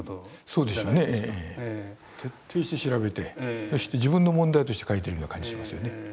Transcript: そうでしょうね徹底して調べてそして自分の問題として描いてるような感じしますよね。